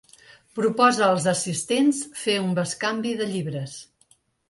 Proposa als assistents fer un bescanvi de llibres.